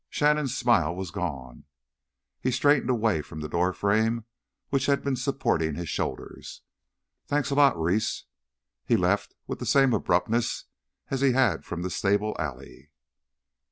Shannon's smile was gone. He straightened away from the door frame which had been supporting his shoulders. "Thanks a lot, Reese." He left with the same abruptness as he had from the stable alley.